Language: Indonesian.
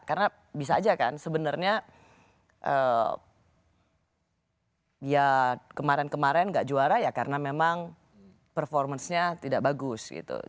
karena bisa aja kan sebenarnya ya kemarin kemarin gak juara ya karena memang performance nya tidak bagus gitu